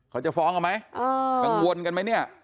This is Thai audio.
เขาจะฟ้องเอาไหมกังวลกันไหมเนี่ย